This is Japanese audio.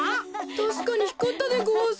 たしかにひかったでごわす。